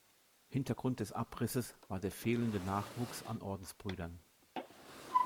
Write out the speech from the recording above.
Hintergrund des Abrisses war der fehlende Nachwuchs an Ordensbrüdern.